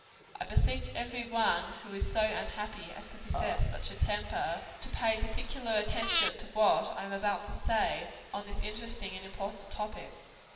I beseech every one who is so unhappy as to possess such a temper, to pay particular attention to what I am about to say, on this interesting and important topic.